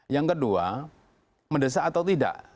yang kedua mendesak atau tidak